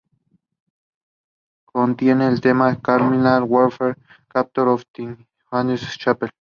Contiene los temas "Chemical Warfare", "Captor of Sin" y "Haunting the Chapel".